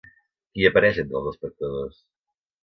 Qui apareix entre els espectadors?